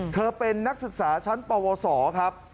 เธอเป็นนักศึกษาชั้นปวสครับ